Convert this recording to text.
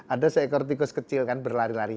ada seekor tikus kecil kan berlari lari